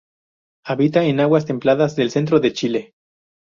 Habita en aguas templadas del centro de Chile.